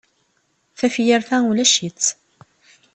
Tafyirt-a ulac-itt.